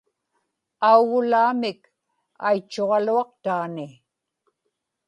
augulaamik aitchuġaluaqtaani